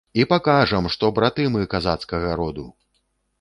І пакажам, што браты мы казацкага роду.